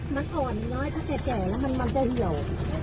มันขนง่อยถ้าแก่มันจะเหมียว